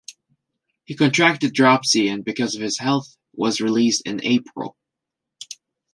He contracted dropsy and, because of his health, was released in April.